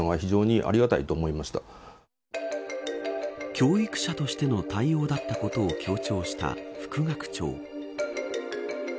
教育者としての対応だったことを強調した副学長。